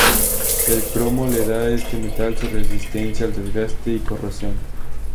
El cromo le da a este metal su resistencia al desgaste y corrosión.